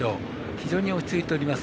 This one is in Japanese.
非常に落ち着いております。